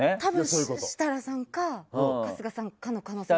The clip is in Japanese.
設楽さんか春日さんの可能性が。